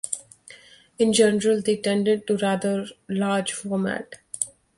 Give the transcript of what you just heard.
In general they tended to rather large format.